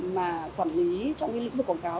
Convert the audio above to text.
mà quản lý trong cái lĩnh vực quảng cáo